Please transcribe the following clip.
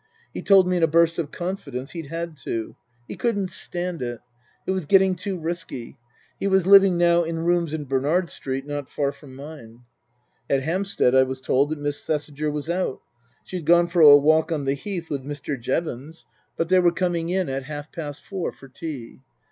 He told me in a burst of confidence he'd had to. He couldn't stand it. It was getting too risky. He was living now in rooms in Bernard Street, not far from mine. At Hampstead I was toldjthat Miss Thesiger was out. She had gone for a walk on the Heath^with Mr.^ Jevons, 38 Tasker Jevons but they were coming in at half past four for tea.